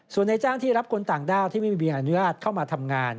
ส่วนในจ้างที่รับคนต่างด้าวที่ไม่มีอนุญาตเข้ามาทำงาน